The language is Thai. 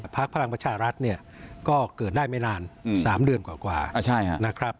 พักพลังประชารัฐเนี่ยก็เกิดได้ไม่นาน๓เดือนกว่านะครับ